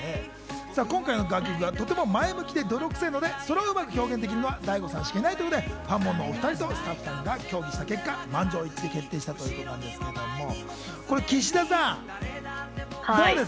今回の楽曲がとても前向きで、泥臭いのでそれをうまく表現できるのは大悟さんしかいないとのことでファンモンの２人とスタッフが協議した結果、満場一致で決定したそうなんですが、岸田さん、どうです？